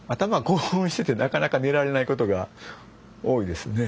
興奮しててなかなか寝られないことが多いですね。